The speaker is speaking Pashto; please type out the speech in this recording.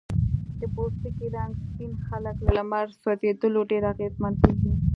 د پوستکي رنګ سپین خلک له لمر سوځېدو ډیر اغېزمن کېږي.